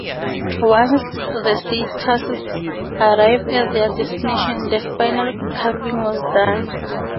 Once the statues arrived at their destination, the final carving was done.